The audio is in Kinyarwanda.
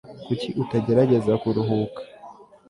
kuki utagerageza kuruhuka